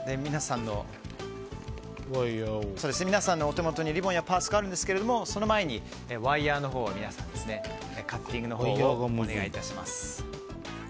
皆さんのお手元にリボンやパーツがあるんですけれどもその前にワイヤのほうを皆さん、カッティングのほうをお願いします。